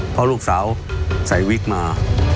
เพราะลูกสาวใส่วิกมา